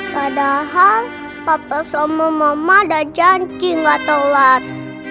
padahal apa sama mama ada janji gak telat